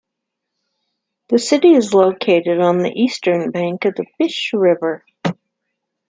The city is located on the eastern bank of the Fish River.